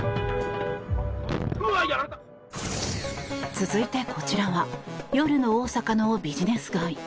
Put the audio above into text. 続いて、こちらは夜の大阪のビジネス街。